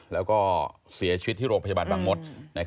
แล้วก็เสียชีวิตที่โรงพยาบาลบางมศ